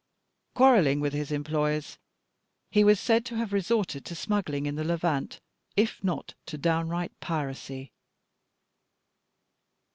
Quarrelling with his employers, he was said to have resorted to smuggling in the Levant, if not to downright piracy.